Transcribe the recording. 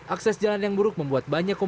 akses jalan yang buruk membuat banyak korban